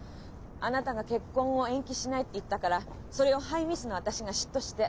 あなたが「結婚を延期しない」って言ったからそれをハイミスの私が嫉妬して？